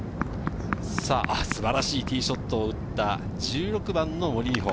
素晴らしいティーショットを打った、１６番の森美穂。